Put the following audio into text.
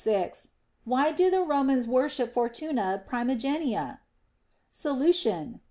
Why do the Romans worship Fortuna Primigenia ? Solution.